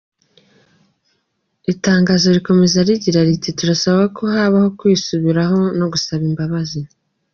Iri tangazo rikomeza rigira riti“Turasaba ko habaho kwisubiraho no gusaba imbabazi.